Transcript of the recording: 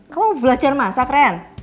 kamu belajar masak ren